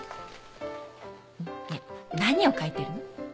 ねえ何を書いてるの？